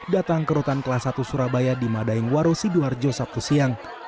datang kerutan kelas satu surabaya di madaing waro sidoarjo sabtu siang